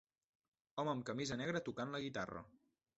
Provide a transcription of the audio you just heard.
Home amb camisa negra tocant la guitarra.